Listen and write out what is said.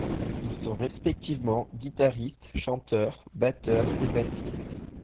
Ils sont respectivement guitariste, chanteur, batteur et bassiste.